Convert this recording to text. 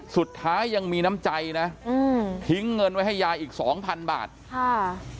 สุดท้ายยังมีน้ำใจนะอืมทิ้งเงินไว้ให้ยายอีกสองพันบาทค่ะ